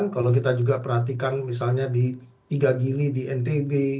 kalau kita juga perhatikan misalnya di tiga gili di ntb